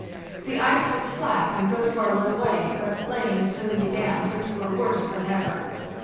The ice was flat and good for a little way, but Janes soon began which were worse than ever.